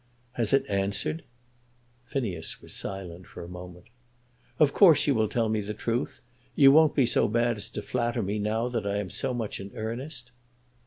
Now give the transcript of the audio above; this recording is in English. "Has it answered?" Phineas was silent for a moment. "Of course you will tell me the truth. You won't be so bad as to flatter me now that I am so much in earnest."